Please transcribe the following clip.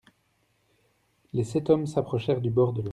Les sept hommes s’approchèrent du bord de l’eau.